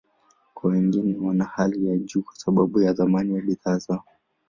Kwa wengine, wana hali ya juu kwa sababu ya thamani ya bidhaa zao.